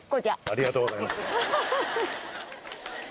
ありがとうございます。